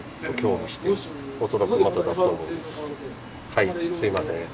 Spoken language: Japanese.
はいすいません。